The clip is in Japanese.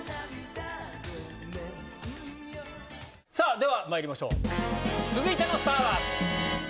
ではまいりましょう続いてのスターは？